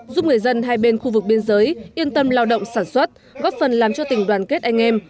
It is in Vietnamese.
giúp người dân hai bên khu vực biên giới yên tâm lao động sản xuất góp phần làm cho tình đoàn kết anh em